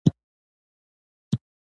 د زرمت ولسوالۍ پراخه ده